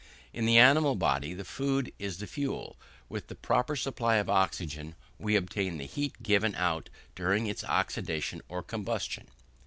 In the animal body the food is the fuel; with a proper supply of oxygen we obtain the heat given out during its oxidation or combustion.